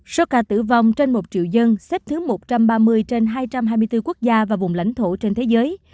số ca tử vong trên một triệu dân xếp thứ một trăm ba mươi trên hai trăm hai mươi bốn quốc gia và vùng lãnh thổ trên thế giới